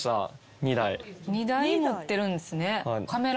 ２台持ってるんすね。